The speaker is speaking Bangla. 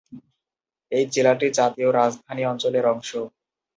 এই জেলাটি জাতীয় রাজধানী অঞ্চলের অংশ।